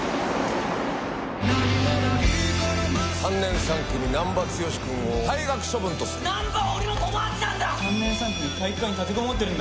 ３年３組、難破剛君を退学処分とする。